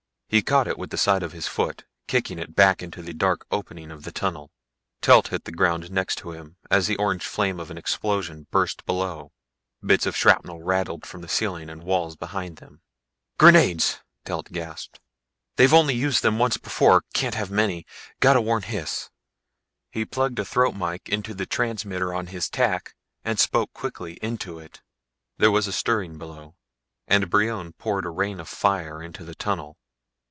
He caught it with the side of his foot, kicking it back into the dark opening of the tunnel. Telt hit the ground next to him as the orange flame of an explosion burst below. Bits of shrapnel rattled from the ceiling and wall behind them. "Grenades!" Telt gasped. "They've only used them once before can't have many. Gotta warn Hys." He plugged a throat mike into the transmitter on his tack and spoke quickly into it. There was a stirring below and Brion poured a rain of fire into the tunnel.